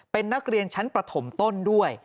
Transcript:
เป็นนักเรียนชั้นประถมต้นด้วย